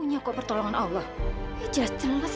ya selamat ya jas